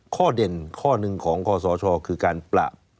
เด่นข้อหนึ่งของคอสชคือการปราบ